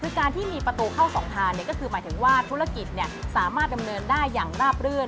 คือการที่มีประตูเข้าสองทางก็คือหมายถึงว่าธุรกิจสามารถดำเนินได้อย่างราบรื่น